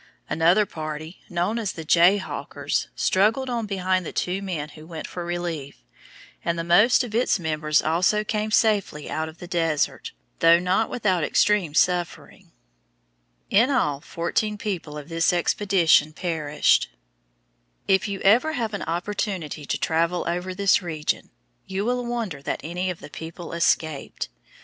Another party, known as the Jayhawkers, struggled on behind the two men who went for relief, and the most of its members also came safely out of the desert, though not without extreme suffering. In all, fourteen people of this expedition perished. [Illustration: FIG. 74. SOUTHERN END OF DEATH VALLEY Showing the white deposits of soda] If you ever have an opportunity to travel over this region, you will wonder that any of the people escaped.